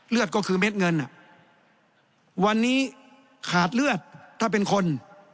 ก็คือเม็ดเงินวันนี้ขาดเลือดถ้าเป็นคน